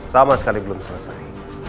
sama sekali belum selesai